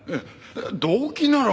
動機なら。